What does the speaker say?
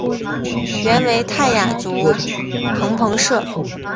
原为泰雅族芃芃社。